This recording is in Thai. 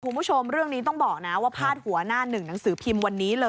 คุณผู้ชมเรื่องนี้ต้องบอกนะว่าพาดหัวหน้าหนึ่งหนังสือพิมพ์วันนี้เลย